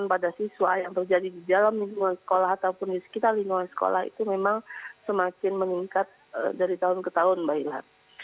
pada siswa yang terjadi di dalam lingkungan sekolah ataupun di sekitar lingkungan sekolah itu memang semakin meningkat dari tahun ke tahun mbak ila